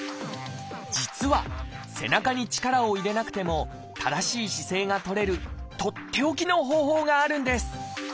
実は背中に力を入れなくても正しい姿勢がとれるとっておきの方法があるんです。